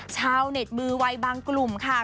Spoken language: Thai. ชาวเน็ตมือวัยบางกลุ่มค่ะ